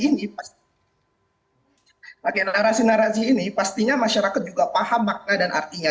nah narasi narasi ini pastinya masyarakat juga paham makna dan artinya